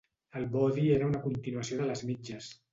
El body era una continuació de les mitges.